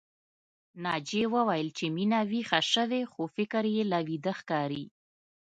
ناجيې وويل چې مينه ويښه شوې خو فکر يې لا ويده ښکاري